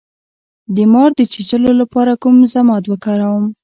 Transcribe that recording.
د مار د چیچلو لپاره کوم ضماد وکاروم؟